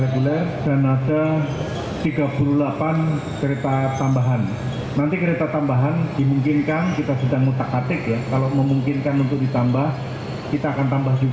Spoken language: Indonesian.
penumpang ini membutuhkan